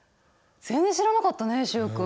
全然知らなかったね習君。